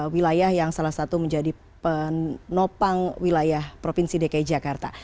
wilayah yang salah satu menjadi penopang wilayah provinsi dki jakarta